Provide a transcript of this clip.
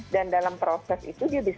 dan dalam proses itu dia bisa